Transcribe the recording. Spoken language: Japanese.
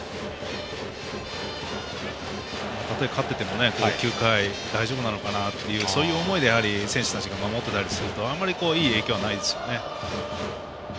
たとえ勝ってても９回、大丈夫なのかなってそういう思いで選手たちが守ってたりするとあんまりいい影響ないですね。